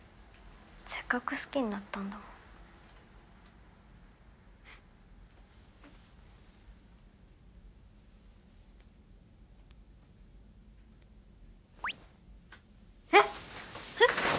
せっかく好きになったんだもんえっえっ？